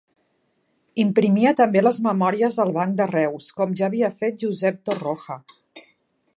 Imprimia també les memòries del Banc de Reus, com ja havia fet Josep Torroja.